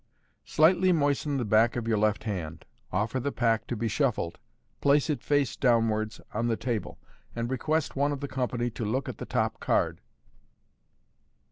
— Slightly moisten the back of your left hand. Offer the pack to be shuffled. Place it face downwards on MODERN MAGIC, 47 the table, and request one of the company to look at the top card.